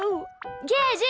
ゲージ！